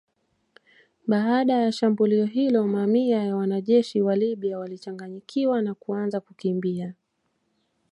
Baada ya shambulio hilo mamia ya wanajeshi wa Libya walichanganyikiwa na kuanza kukimbia